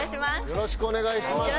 よろしくお願いします。